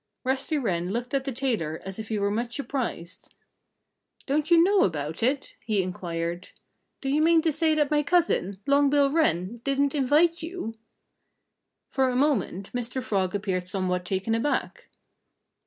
Rusty Wren looked at the tailor as if he were much surprised. "Don't you know about it?" he inquired. "Do you mean to say that my cousin, Long Bill Wren, didn't invite you?" For a moment Mr. Frog appeared somewhat taken aback.